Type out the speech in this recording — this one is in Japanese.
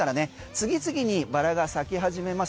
次々にバラが咲き始めます。